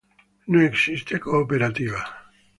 No existe cooperativa.